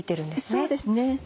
そうですね。